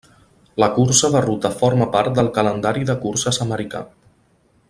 La cursa de ruta forma part del calendari de curses americà.